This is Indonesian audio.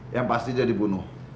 yang pasti jadi bunuh